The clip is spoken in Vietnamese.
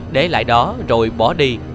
để lại đó rồi bỏ đi